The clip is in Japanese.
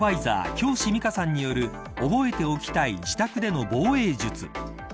京師美佳さんによる覚えておきたい自宅での防衛術。